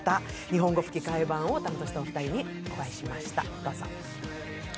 日本語吹き替え版を担当したお二人にお会いしました、どうぞ。